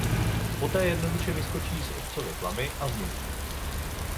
Poté jednoduše vyskočí z otcovy tlamy a zmizí.